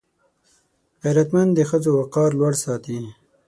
غیرتمند د ښځو وقار لوړ ساتي